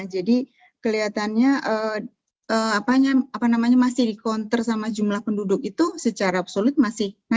jadi kelihatannya masih dikontrol sama jumlah penduduk itu secara absolut masih naik